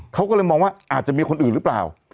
เขาก็เลยมองว่าอาจจะมีคนอื่นหรือเปล่า